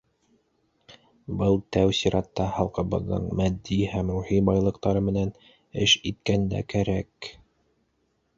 Был тәү сиратта халҡыбыҙҙың матди һәм рухи байлыҡтары менән эш иткәндә кәрәк.